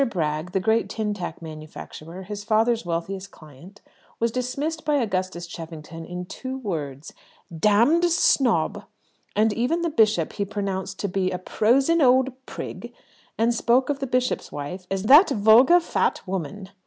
Bragg, the great tin tack manufacturer, his father's wealthiest client, was dismissed by Augustus Cheffington in two words: "Damned snob!" and even the bishop he pronounced to be a "prosin' old prig," and spoke of the bishop's wife as "that vulgar fat woman."